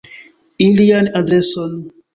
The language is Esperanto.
Ilian adreson.